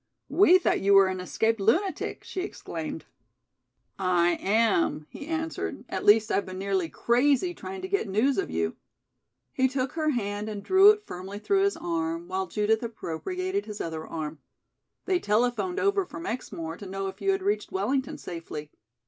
"We thought you were an escaped lunatic," she exclaimed. "I am," he answered, "at least I've been nearly crazy trying to get news of you." He took her hand and drew it firmly through his arm, while Judith appropriated his other arm. "They telephoned over from Exmoor to know if you had reached Wellington safely.